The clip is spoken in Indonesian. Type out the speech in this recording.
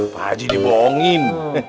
pak haji dibohongin